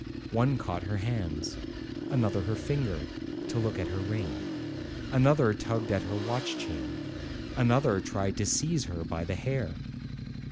One caught her hands; another her finger, to look at her ring; another tugged at her watch chain; another tried to seize her by the hair.